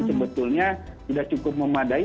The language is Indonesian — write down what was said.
sebetulnya tidak cukup memadai